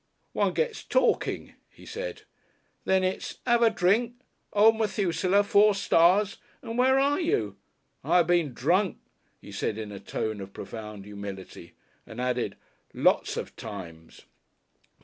"One gets talking," he said. "Then it's ''ave a drink!' Old Methusaleh four stars and where are you? I been drunk," he said in a tone of profound humility, and added, "lots of times."